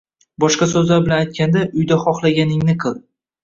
Boshqa so‘zlar bilan aytganda, uyda xohlaganingni qil.